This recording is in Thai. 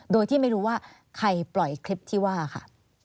โดยที่ไม่รู้ว่าใครปล่อยคลิปที่ว่าค่ะ